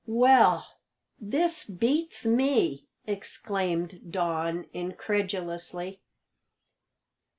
"Well, this beats me!" exclaimed Don incredulously.